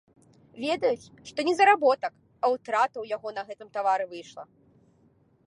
Ведаюць, што не заработак, а ўтрата ў яго на гэтым тавары выйшла.